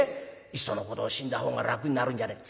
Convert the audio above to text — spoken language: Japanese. いっそのこと死んだほうが楽になるんじゃねえ